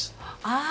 ああ